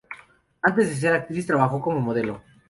Antes de ser actriz, trabajó como modelo.